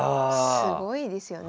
すごいですよね。